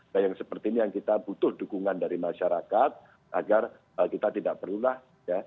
nah yang seperti ini yang kita butuh dukungan dari masyarakat agar kita tidak perlulah ya